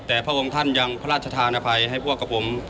แต่พระองค์ท่านยังพระราชธานภัยให้พวกกับผม